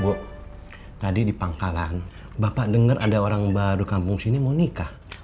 bu tadi di pangkalan bapak dengar ada orang baru kampung sini mau nikah